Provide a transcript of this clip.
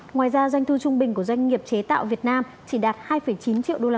bốn mươi năm ngoài ra doanh thu trung bình của doanh nghiệp chế tạo việt nam chỉ đạt hai chín triệu usd